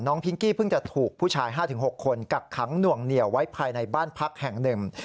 พิงกี้เพิ่งจะถูกผู้ชาย๕๖คนกักขังหน่วงเหนียวไว้ภายในบ้านพักแห่งหนึ่ง